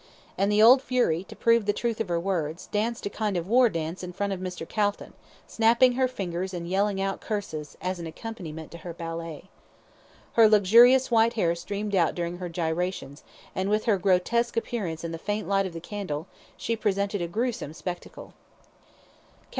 And the old fury, to prove the truth of her words, danced a kind of war dance in front of Mr. Calton, snapping her fingers and yelling out curses, as an accompaniment to her ballet. Her luxurious white hair streamed out during her gyrations, and with her grotesque appearance and the faint light of the candle, she presented a gruesome spectacle.